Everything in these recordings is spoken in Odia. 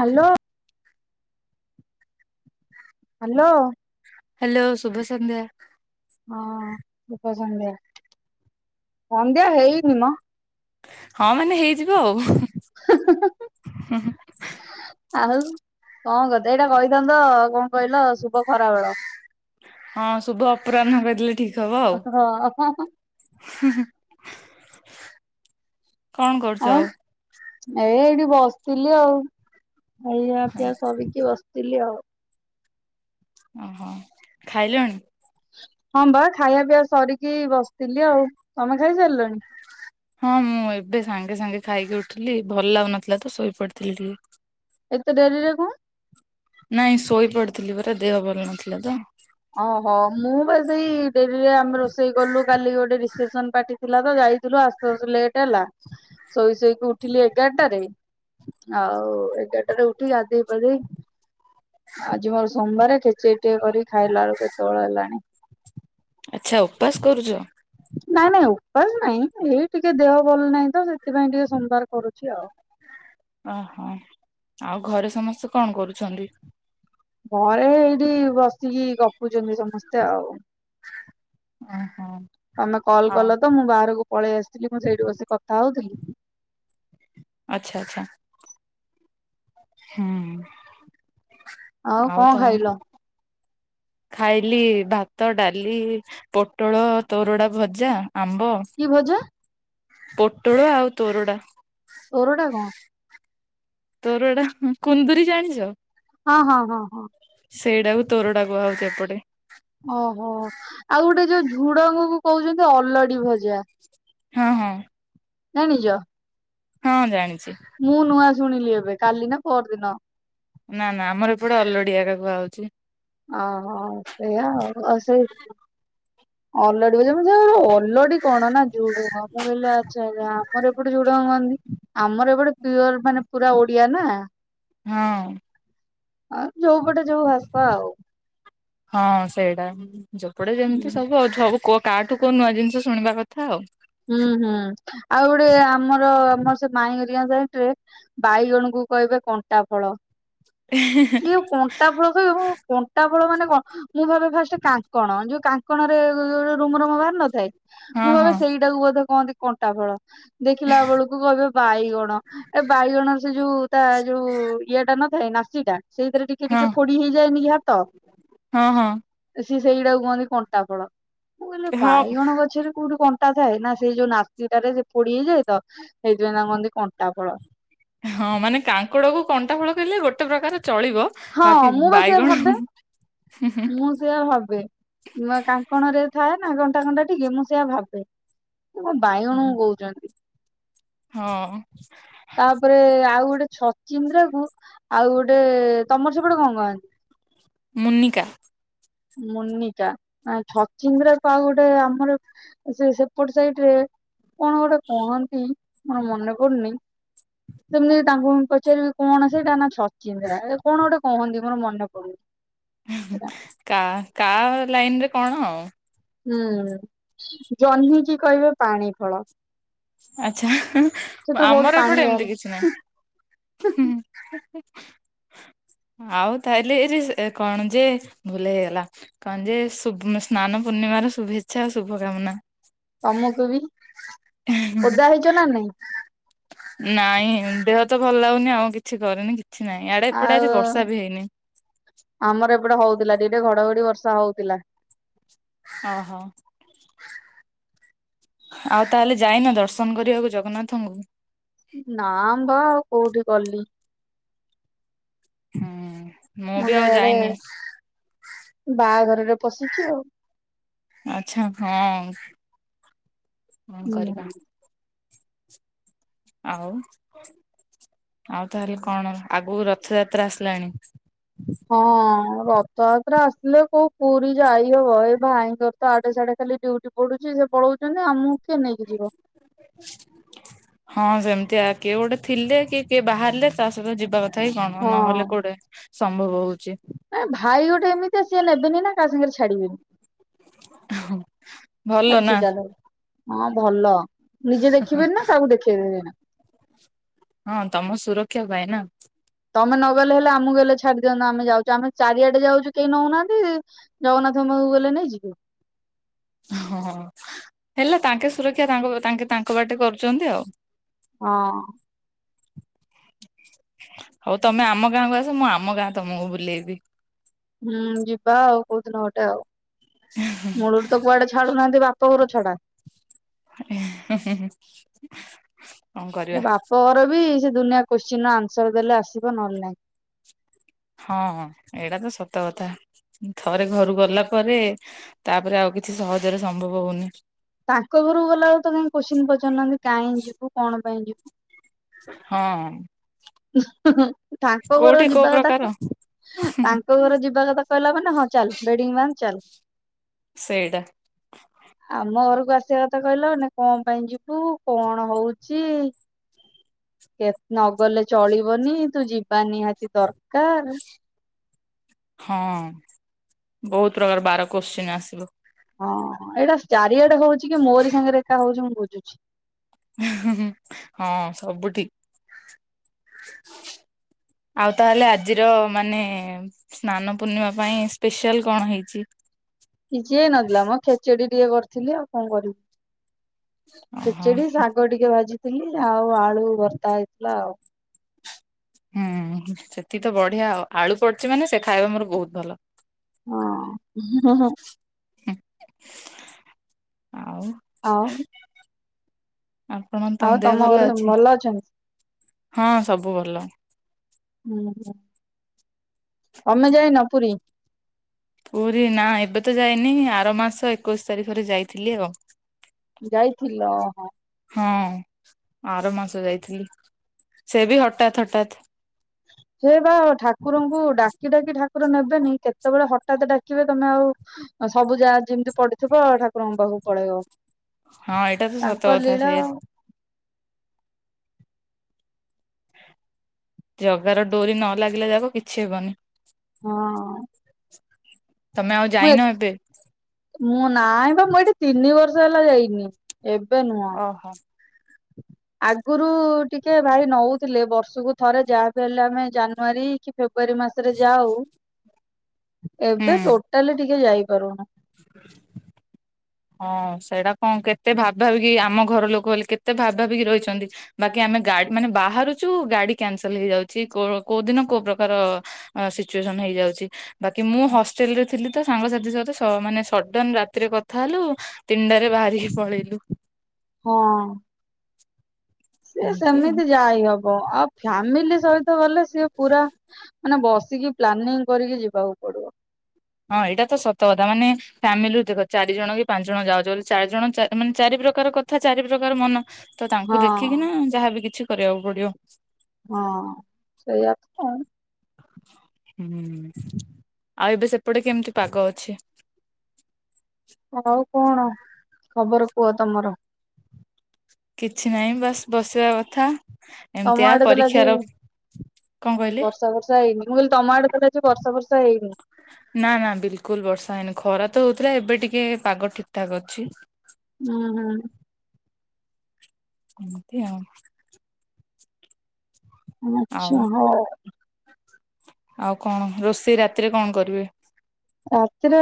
ହ୍ୟାଲୋ। ହାଲୋ। ହ୍ୟାଲୋ ଶୁଭସନ୍ଧ୍ୟା। ହଁ ଶୁଭସନ୍ଧ୍ୟା। ସନ୍ଧ୍ୟା ହେଇନି ମ। ହଁ ମାନେ ହେଇଯିବ ଆଉ। [inaudible] ଆଉ କଣ କରିଚ ଏଇଟା କହିଥାନ୍ତ କଣ କହିଲ ଶୁଭ ଖରାବେଳ ହଁ ଶୁଭ ଅପରାହ୍ନ କହିଦେଲେ ଠିକ ହବ ଆଉ। ହୁଁ ହୁଁ। କଣ କରୁଛ ଆଉ ଏ ଏଇଠି ବସିଥିଲି ଆଉ ଖାଇଆ ପିଆ ସରିକି ବସ୍ ତିଲି ଆଉ ‌। ଅହ ଖାଇଲଣି? ହଁ ବା ଖାଇବା ପିଇବା ସରିକି ବସିଥିଲି ଆଉ ତମେ ଖାଇସାରଲଣି? ହଁ ମୁଁ ଏବେ ସାଙ୍ଗେ ସାଙ୍ଗେ ଖାଇକି ଉଠଲି ଭଲ ଲାଗୁନଥିଲା ତ ଶୋଇପଡି଼ଥିଲି ଟିକେ। ଏତେ ଡେରିରେ କଣ? ନାଇଁ ଶୋଇ ପଡ଼ିଥିଲି ପରା ଦେହ ଭଲ ନଥିଲା ତ। ଅହ ମୁଁ ବା ସେଇ ଡେରିରେ ଆମେ ରୋଷେଇ କଲୁ କାଲି ଗୋଟେ ରିସେପସନ୍ ପାର୍ଟି ଥିଲା ତ ଯାଇଥିଲୁ ଆସୁ ଆସୁ ଲେଟ୍ ହେଲା ଶୋଇ ଶୋଇକି ଉଠିଲି ଏଗାରଟାରେ। ଆଉ ଏଗାରଟାରେ ଉଠି ଗାଧେଇ ପାଧେଇ ଆଜି ମୋର ସୋମବାରେ ଖେଚେଡ଼ି ଟିଏ କରି ଖାଇଲା ଅଳୁକୁ କେତେ ଓଳ ହେଲାଣି। ଆଚ୍ଛା ଉପାସ କରୁଚ। ନାଇଁ ନାଇଁ ଉପାସ ନାଇଁ ଏଇ ଟିକେ ଦେହ ଭଲ ନାହିଁ ତ ସେଥିପାଇଁ ଟିକେ ସମବାର କରୁଚି ଆଉ। ଅହ ଆଉ ଘରେ ସମସ୍ତେ କଣ କରୁଛନ୍ତି? ଘରେ ହେଇଟି ବସିକି ଗପୁଚନ୍ତି ସମସ୍ତେ ଆଉ। ଓହୋ ତମେ ହଁ କଲ୍ ତ ମୁଁ ବାହାରକୁ ପଳେଇ ଆସିଥିଲି ମୁଁ ସେଇଠୁ ବସିି କଥା ହଉଥିଲି। ଆଚ୍ଛା ଆଚ୍ଛା। ହୁଁ। ଆଉ କଁ ଖାଇଲ? ଖାଇଲି ଭାତ ଡାଲି ପୋଟଳ ତୋରଡ଼ା ଭଜା ଆମ୍ବ। କି ଭଜା? ପୋଟଳ ଆଉ ତୋରଡ଼ା। ତୋରଡ଼ା କଁ? ତୋରଡ଼ା ହୁଁ କୁନ୍ଦୁରି ଜାଣିଚ? ହଁ ହଁ ହଁ ହଁ। ସେଇଟାକୁ ତୋରଡ଼ାକୁୁ କୁହାହଉଚି ଏପଟେ। ଓହୋ ଆଉ ଗୋଟେ ଯୋଉ ଝୁଡ଼ଙ୍ଗକୁ କହୁଚନ୍ତି ଅଲଡ଼ି ଭଜା। ହଁ ହଁ। ଜାଣିଚ? ହଁ ଜାଣିଚି। ମୁଁ ନୂଆ ଶୁଣିଲି ଏବେ କାଲି ନା ପଅରଦିନ। ନାଁ ନାଁ ଆମର ଏପଟେ ଅଲଡି଼ ଆକା କୁହାହଉଚି। ଅହ ସେୟା ଆଉ। ଆଉ ସେଇ ଅଲଡି଼ ବଯେ ମୁଁ ସେଇଆ କହିଲି ଅଲଡ଼ି କଣ ନାଁ ଝୁଡ଼ୁଙ୍ଗ ମୁଁ କହିଲି ଆଚ୍ଛା ଆଚ୍ଛା ଆମର ଏପଟେ ଝୁଡ଼ଙ୍ଗ କୁହନ୍ତି। ଆମର ଏ ପଟେ ପିଅର ମାନେ ପୁରା ଓଡ଼ିଆ ନାଁ। ହଁ। ଆଉ ଯୋଉପଟେ ଯୋଉ ଭାଷା ଆଉ। ହଁ ସେଇଟା ଯୋଉ ପଟେ ହୁଁ ଯେମିତି ସବୁ ଆଉ ଝବୁ କ କାଠୁ କୋଉ ନୂଆ ଜିନିଷ ଶୁଣିବା କଥା ଆଉ। ହୁଁ ହୁଁ ଆଉ ଗୋଟେ ଆମର ଆମର ସେ ମାଇଁ ରିଆଁ ସାଇଟ୍ ରେ ବାଇଗଣକୁ କହିବେ କଣ୍ଟା ଫଳ। ଏଁ ହେଁ ହେଁ। ଇଉ କଣ୍ଟା ଫଳ କଇବେ ମୁଁ କଣ୍ଟା ଫଳ ମାନେ କ ମୁଁ ଭାବେ ଫାଷ୍ଟ କାଙ୍କଣ ଯୋଉ କାଙ୍କଣରେ ଯୋଉରା ରୁମ ରୁମ ବାହାରି ନଥାଏ? ହଁ ମୁଁ ଭବେ ହଁ ସେଇଟାକୁ ବୋଧ କହନ୍ତି କଣ୍ଟା ଫଳ ଦେଖିଲା ବଳୁକୁ କହିବେ ବାଇଗ ଏ ବାଇଗଣର ସେ ଯୋଉ ତା ଯୋଉ ଇଏଟା ନଥାଏ ନାସିଟା ସେଇଥେରେ ଟି କେ ହଁ। ଟିକେ ଫୋଡ଼ି ହେଇଯାଏନି କି ହାତ ହଁ ହଁ ଏ ସିଏ ସେଇଡ଼ାକୁ କହନ୍ତି କଣ୍ଟା ଫଳ। ମୁଁ କହିଲି ହଁ ବାଇଗଣ ଗଛରେ କୋଉଠି କ ଣ୍ଟା ଥାଏ ନାଁ ସେଇ ଯୋଉ ନାସିଟାରେ ସେ ଫୋଡି଼ ହେଇଯାଏ ତ ସେଇଥିପାଇଁ ତାକୁ ମହନ୍ତି କଣ୍ଟା ଫଳ। ହଁ ମାନେ କାଙ୍କଡ କୁ କଣ୍ଟା ଫଳ କିହିଲେ ଗୋଟେ ପ୍ରକାର ଚଳିବ ହଁ ବାକି ମୁଁ ବା ସେଇଆ ବାଇଗଣ। ଭାବେ ମୁଁ ସେଆ ଭାବେ କାଙ୍କଣ ରେ ଥାଏ ନା କଣ୍ଟା କଣ୍ଟା ଟିକେ ମୁଁ ସେଆ ଭାବେ ଏ କଣ ବାଇଗଣ କହୁଛନ୍ତି। ହଁ ତାପରେ ଆଉ ଗୋଟେ ଛଚିନ୍ଦ୍ରା କୁ ଆଉ ଗୋଟେ ତମର ସେପଟେ କଣ କହନ୍ତି? ମୁନିକା ମୁନିକା ନା ଛଚିଦ୍ରା ରା କୁ ଆଉ ଗୋଟେ ଆମର ସେ ସେପଟ ସାଇଟ ରେ କଣ ଗୋଟେ କହନ୍ତି ମୋର ମନେ ପଡୁନି। ସେମିତି ତାଙ୍କୁ ପଚାରିବି କଣ ସେଇଟା ନା ଛଚିନ୍ଦ୍ରା ଏ କଣ ଗୋଟେ କହନ୍ତି ମୋର ମନେ ପଡୁନି। ସେଟା କା କା ଲାଇନରେ କଣ ଆଉ। ହୁଁ ଜହ୍ନିିକି କହିବେ ପାଣି ଫଳ। ଆଛା ସେଥିରୁ ବହୁତ ଆମର ପାଣି ଏପଟେ ଏମିତି ବାହାରେ କିଛି ନାହିଁ। ଆଉ ତାହେଲେ ଏ କଣ ଯେ ଭଲ ହେଇଗଲା କଣ ଯେ ସ୍ନାନ ପୂର୍ଣ୍ଣିମ ର ଶୁଭେଚ୍ଛା ଆଉ ଶୁଭକାମନା। ତମକୁ ବି ଓଦା ହେଇଛ ନା ନାଇଁ? ନାଇଁ ଦେହ ତ ଭଲ ଲାଗୁନି ଆଉ କିଛି କରେନି କିଛି ନାଇଁ ଇଆଡେ ଏପଟେ ଆଉ ଆଜି ବର୍ଷା ବି ହେଇନି। ଆମର ଏପଟେ ହଉଥିଲା ଟିକଟେ ଘଡଘଡି ବର୍ଷା ହଉଥିଲା। ଓ ହୋ ଆଉ ତାହେଲେ ଯାଇନ ଦର୍ଶନ କରିବାକୁ ଜଗନ୍ନାଥଙ୍କୁ? ନା ବା ଆଉ କୋଉଠି ଗଲି। ହଁ ମୁଁ ତ ଇଆଡେ ବାହାଘରରେ ପଶିଛି ଆଉ। ଆଛା ହଁ ହଁ କରିବା। ହୁଁ ଆଉ ଆଉ ତାହେଲେ କଣ ଆଗକୁ ରଥଯାତ୍ରା ଆସିଲାଣି। ହଁ ରଥଯାତ୍ରା ଆସିଲେ କୋଉ ପୁରୀ ଯାଇହବ ଏଇ ଭାଇଙ୍କର ତ ଆଠେ ସାଢଡେ ଖାଲି ଡିଉଟି ପଢୁଛି ସେ ପଳଉଛନ୍ତି ଆମକୁ କିଏ ନେଇକି ଯିବ? ହ ହଁ ସେମିତିଆ କିଏ ଗୋଟେ ଥିଲେ କିଏ କିଏ ବାହାରିଲେ ତା ସହିତ ଯିବା କଥା ଥାଇ କଣ ହଁ ନହେଲେ କୋଉଠେ ସମ୍ଭବ ହଉଛି। ଭାଇ ଗୋଟେ ଏମିତି ଆ ସଏ ନେବେନି ନା କା ସାଙ୍ଗେ ଛାଡିବେନି। ଭଲ ନା ହଁ ଭଲ ନିଜେ ଦେଖିବେନି ନା କାହାକୁ ଦେଖେଇ ଦେବେଇନି ନା ହଁ ତମ ସୁରକ୍ଷା ପାଇଁ ନା ତମେ ନଗଲେ ହେଲେ ଆମକୁ ଗଲେ ଛାଡି ଦଅନ୍ତ ଆମ ଯଉଛୁ ଆମେ ଚାରିଆଡେ ଯାଉଛୁ କେହି ନଉନାହାନ୍ତି ଜଗନ୍ନାଥ ପାଖକୁ ଗଲେ ନାଇଁ ଯିବ ହ ହେଲା ତାଙ୍କେ ସୁରକ୍ଷା ତାଙ୍କ ତାଙ୍କେ ତାଙ୍କ ବାଟେ କରୁଛନ୍ତି ଆଉ ହଁ ହଉ ତମେ ଆମ ଗାଁକୁ ଆସ ମୁଁ ଆମ ଗାଁ ତମକୁ ବୁଲେଇବି ହୁଁ ଯିବା ଆଉ କାଉଁଦିନ ଗୋଟେ ଆଉ ମୁଳରୁ ତ କୁଆଡେ ଛାଡୁନାହାନ୍ତି ବାପା ତୋର ଛଡା [inaudible] ହି ହି ସେ ବାପ ଘର ବି ସେ ଦୁନିଆ କୋଶ୍ଚିିନ ଆନ୍ସର ଦେଲେ ଆସିବ ନହେଲେ ନହିଁ ହଁ ଏଇଟା ତ ସତ କଥା ଥରେ ଘରୁ ଗଲା ପରେ ତାପରେ ଆଉ କିଛି ସହଜରେ ସମ୍ଭବ ହଉନି ତାଙ୍କ ଘରକୁ ଗଲା ଆଉ ତ କାଇଁ କୋ୍ଚିିନ ପଚାରୁନାହାନ୍ତି କାହିଁ ଯିବୁ କଣ ପାଇଁ ଯିବୁ ହଁ ତାଙ୍କ ଘର କୋଉଠି କୋଉ ଯିବା ପ୍ରକାର କଥା କୋଉ ଘର ଯିବା କଥା କହିଲା ମାନ ହଁ ଚାଲ ବେଡିଙ୍ଗ ବା ଚାଲ ସେଇଡ଼ା ଆମ ଘରକୁ ଆସିବା କଥା କହିଲ ନା କଣ ପାଇଁ ଯିବୁ କଣ ହଉଛି? କେ ନଗଲେ ଚଳିବନି ତୁ ଯିବା ନିହାତି ଦରକାର ହଁ ବହୁତ ପ୍ରକାର ବାର କୋଶ୍ଚିନ୍ ଆସିବ ହଁ ଏଇଟା ଚାରିଆଡେ ହଉଛି କି ମୋରି ସାଙ୍ଗରେ ଏକା ହଉଛି ମୁଁ ବୁଝୁଛି ହଁ ସବୁ ଠିକ ଆଉ ତାହେଲେ ଆଜିର ମାନେ ସ୍ନାନ ପୂର୍ଣ୍ଣିମା ପାଇଁ ସ୍ପେଶାଲ କଣ ହେଇଛି? କିଛି ହେଇ ନଥିଲା ମଁ ଖେଚେଡି ଟିକେ କରିଥିଲି ଆଉ କଣ କରିବି। ଓହୋ ଖିଚେଡି ଶାଗ ଟିକେ ଭାଜିଥିଲି ଆଉ ଆଳୁ ଭର୍ତ୍ତା ହେଇଥିଲା ଆଉ ହୁଁ ସେଠି ତ ବଢିଆ ଆଉ ଆଳୁ ପଡୁଚ ମାନେ ସେ ଖାଇବା ମୋର ବହୁତ ଭଲ ହଁ ହ ହ ହୁଁ, ଆଉ ଆଉ ଆପଣ ମାନ ଆଉ ତମ ଦେହ ଭଲ ଘରେ ଅଛି ଅଛନ୍ତି ହଁ ସବୁ ଭଲ। ହଁ ତମେ ଯାଇନ ପୁରୀ? ପୁରୀ ନା ଏବେ ତ ଯାଇନି ଆର ମାସ ଏକୋଇଶି ତାରିଖରେ ଯାଇଥିଲି ଆଉ ଯାଇଥିଲ ଓହୋ ହଁ ଆର ମାସ ଯାଇଥିଲି ସେ ବି ହଠାତ୍ ହଠାତ୍ ହେ ବା ଠାକୁରଙ୍କୁ ଡାକି ଡାକି ଠାକୁର ନେବେନି କେତେବେଳେ ହଠାତ ଡାକିବେ ତମେ ଆଉ ସବୁ ଯାହା ଯେମିତି ପଡିିଥିବ ଠାକୁରଙ୍କ ପାଖକୁ ପଳେଇବ ହଁ ଏଇଟା ତ ସତ ତାଙ୍କ କଥା ସେ ଲୀଳା ଜଗାର ଡୋରି ନ ଲାଗିଲା ଯାକ କିଛି ହେବନି ହଁ ତମେ ଆଉ ମୁଁ ଯାଇନ ଏବେ ମୁଁ ନାହିଁ ବା ମୁଁ ଏଠି ତିନି ବର୍ଷ ହେଲା ଯାଇନି ଏବେ ନୁହଁ ଓହୋ ଆଗରୁ ଟିକେ ଭାଇ ନଉଥିଲେ ବର୍ଷକୁ ଥରେ ଯାହାବି ହେଲେ ଆମେ ଜାନୁଆରୀ କି ଫେବୃଆରୀ ମାସରେ ଯାହା ହଉ ଏବେ ହୁଁ। ଟୋଟାଲି ଟିକେ ଯାଇପାରୁନ ହଁ ସେଇଟା କଣ କେତେ ଭାବ ଭାବିକି ଆମ ଘର ଲୋକ ବୋଲି କେତେ ଭାବି ଭାବି କି ରହିଛନ୍ତି। ବାକି ଆମେ ଗାଡି ମାନେ ବାହାରୁଛୁ ଗାଡି କ୍ୟାନସଲ ହେଇଯାଉଛି କୋଉଦିନ କୋଉ ପ୍ରକାର ଅ ସିଚୁଏସନ ହେଇଯାଉଛି। ବାକି ମୁଁ ହଷ୍ଟେଲ ରେ ଥିଲି ତ ସାଙ୍ଗସାଥି ସହିତ ମାନେ ସଡନ ରାତିରେ ଥା ହେଲୁ ତିନଟରେ ବାହାରିକି ପଳେଇଲୁ। ହଁ ସି ଏମିତି ଆଉ। ସେମିତି ଯାଇ ହବ ଆଉ ଫ୍ୟାମିଲି ସହିତ ଗଲେ ସିଏ ପୁରା ମାନେ ବସିକି ପ୍ଲାନିଂ କରିକି ଯିବାକୁ ପଡିବ ହଁ ଏଇଟା ତ ସତ କଥା ମାନେ ଫ୍ୟାମିଲି ଦେଖ ଚାରି ଜଣ କି ପାଞ୍ଚ ଜଣ ଯାଉଛ ବୋଲି ଚାରି ଜଣ ମାନେ ଚାରି ପ୍ରକାର କଥା ଚାରି ପ୍ରକାର ମନ ତ ହଁ ତାଙ୍କୁ ଦେଖିକି ନା ଯାହାବି କିଛି କରିବାକୁ ପଡିବ ହଁ ସେଇଆ ତ ହୁଁ ଆଉ ଏବେ ସେପଟେ କେମିତି ପାଗ ଅଛି। ହଉ କଣ ଖବର କୁହ ତମର? କିଛି ନାହିଁ ବାସ୍ ବସିବା କଥା। ତମ ଏମିତିଆ ଆଡେ ତାଲେ ଆଜି। ପରୀକ୍ଷାର କଣ କହିଲେ ବର୍ଷା ଫର୍ଶା ହେଇନି, ମୁଁ କହିଲି ତମ ଆଡେ ଆଜି ତାହେଲେ ବର୍ଷା ଫର୍ଷା ହେଇନି। ନା ନା ବିଲକୁଲ ବର୍ଷା ହେଇନି, ଖରା ତ ହଉଥିଲା ଏବେ ଟିକେ ପାଗ ଠିକ୍ ଠାକ୍ ଅଛି। ହୁଁ ହୁଁ। ଏମିତି ଆଉ। ହଁ ଆଉ ଆଚ୍ଛା ହଉ। ଆଉ କଣ ରୋଷେଇ ରାତିରେ କଣ କରିବେ? ରାତିରେ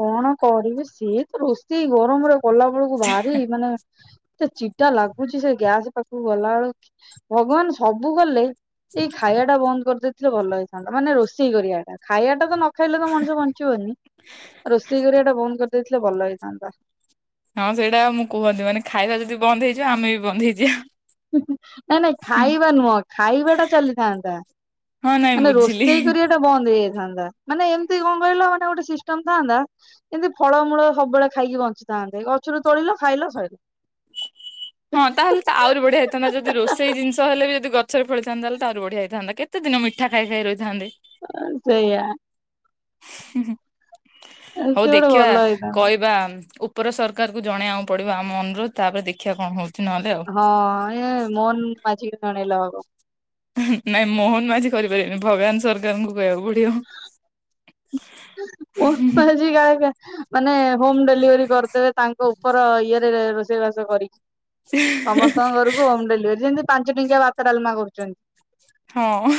କଣ କରିବି ସେଇ ତ ରୋଷେଇ ଗରମରେ କଲା ବେଳକୁ ଭାରି ମାନେ ଏତେ ଚିଡା ଲାଗୁଚି। ସେ ଗ୍ୟାସ ପାଖକୁ ଗଲାବେଳକୁ ଭଗବାନ ସବୁ କଲେ ଏଇ ଖାଇବା ଟା ବନ୍ଦ କରିଦେଇଥିଲେ ଭଲ ହେଇଥାନ୍ତା। ମାନେ ରୋଷେଇ କରିବାଟା ଖାଇବା ଟା ତ ନ ଖାଇଲେ ତ ମଣିଷ ବ ଞ୍ଚିବନି। ରୋଷେଇ କରିବାଟା ବନ୍ଦ କରିଦେଇଥିଲେ ଭଲ ହେଇଥାନ୍ତା। ହଁ ସେଇଟା ମୁଁ କୁହନି, ମାନେ ଖାଇବା ଯଦି ବନ୍ଦ ହେଇଯିବ ଆମେ ବି ବନ୍ଦ ହେଇଯିବା। ନା ନାଇଁ ଖାଇବା ନୁହଁ ଖାଇବା ଟା ଚାଲିଥାନ୍ତା। ହଁ ନାଇଁ ମାନେ ବୁଝିଲି। ରୋଷେଇ କରିବାଟା ବନ୍ଦ ହେଇଯାଇଥାନ୍ତା। ମାନେ ଏମିତି କଣ କହିଲ ମାନେ ଗୋଟେ ସିଷ୍ଟମ ଥାନ୍ତା। ଏମିତି ଫଳମୂଳ ସବୁବେଳେ ଖାଇକି ବଞ୍ଚିଥାନ୍ତେ। ଗଛରୁ ତୋଳିଲ ଖାଇଲ ସଇଲା। ହଁ ତାହେଲେ ତ ଆହୁରି ବଢିଆ ହେଇଥାନ୍ତା। ଯଦି ରୋଷେଇ ଜିନିଷ ହେଲେ ବି ଯଦି ଗ ଛରେ ଫଳିଥାନ୍ତା ତାହେଲେ ତ ଆହୁରି ବଢିଆ ହେଇଥାନ୍ତା। କେତେ ଦିନ ମିଠା ଖାଇ ଖାଇ ରହିଥାନ୍ତେ। ଅ ସେଇଆ। ହୋଉ ସେ ଗୋଟେ ଦେଖିବା ଭଲ ହେଇଥାନ୍ତା କହିବା ଉ ପର ସରକାରକୁ ଜଣେଇବାକୁ ପଡିବ ଆମ ଅନୁରୋଧ। ତାପରେ ଦେଖିବା କଣ ହୋଉ ହଁ ଏ ମୋହନ ମାଝି କି ଜଣେଇଲେ ହବ। ନାଇଁ ମୋହନ ମାଝି କରିପାରିବନି। ଭଗବାନ ସରକାରଙ୍କୁ କହିବାକୁ ପଡିବ। ମୋହନ ମାଝି କାଳେ ମାନେ ହୋମ ଡେଲିଭରି କରିଦେବେ ତାଙ୍କ ଉପର ଇଏରେ ରୋଷେଇବାସ କରିକି। ସମସ୍ତଙ୍କ ଘରକୁ ହୋମ ଡେଲିଭରି ଯେମିତି ପାଞ୍ଚ ଟଙ୍କିଆ ଭାତ ଡାଲମା କରୁଚନ୍ତି। ହଁ।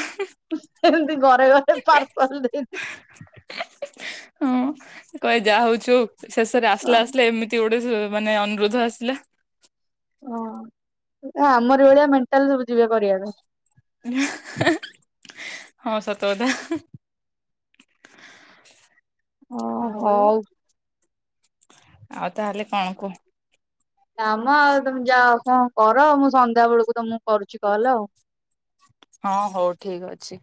ସେମିତି ଘରେ ଘରେ ପାର୍ସଲ ଦେଇ ହୁଁ କହିବେ ଯାହା ହୋଉଚି ହୋଉ ଶେଷରେ ଆସିଲେ ଆସିଲେ ଏମିତି ଗୋ [unintelligible] ମାନେ ଅନୁରୋଧ ଆସିଲା। ହଁ ସେଟା ଆମରି ଭଳିଆ ମେଣ୍ଟାଲ ସବୁ ଯିବେ କରିବା ପାଇଁ। ହଁ ସତକଥା। [inaudible] ଆଉ ଆଉ ହଉ ତାହେଲେ କଣ କୁହ? ନାମ ଆଉ ତମେ ଯାଅ କଣ କର। ମୁଁ ସନ୍ଧ୍ୟା ବେଳକୁ ତମକୁ କରୁଚି କଲ ଆଉ। ହଁ ହୋଉ ଠିକ ଅଛି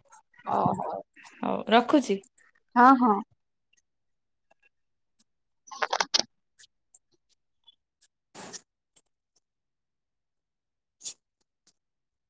ଓ ହୋଉ ରଖୁଚି। ହଁ ହଁ।